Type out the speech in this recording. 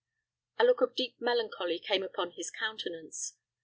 A look of deep melancholy came upon his countenance.